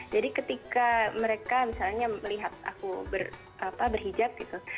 jadi ketika mereka misalnya melihat aku berhijab gitu